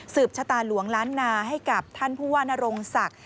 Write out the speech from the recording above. ชะตาหลวงล้านนาให้กับท่านผู้ว่านรงศักดิ์